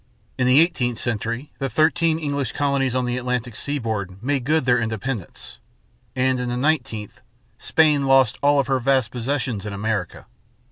In the eighteenth century the thirteen English colonies on the Atlantic seaboard made good their independence; and in the nineteenth, Spain lost all of her vast possessions in America.